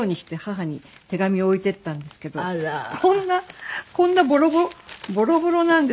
こんなこんなボロボロボロボロなんです。